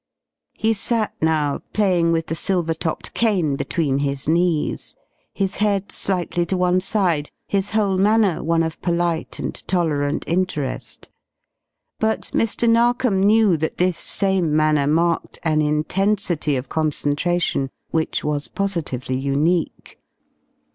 He sat now, playing with the silver topped cane between his knees, his head slightly to one side, his whole manner one of polite and tolerant interest. But Mr. Narkom knew that this same manner marked an intensity of concentration which was positively unique.